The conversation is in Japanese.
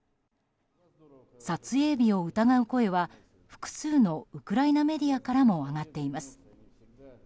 撮影日を疑う声は複数のウクライナメディアからも上がっています。